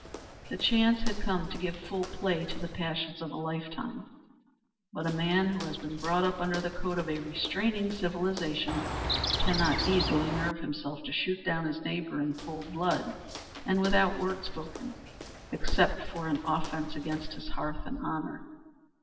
The chance had come to give full play to the passions of a lifetime. But a man who has been brought up under the code of a restraining civilisation cannot easily nerve himself to shoot down his neighbour in cold blood and without word spoken, except for an offence against his hearth and honour.